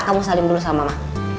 kamu saling dulu sama mah